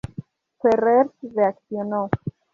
Ferrer reaccionó.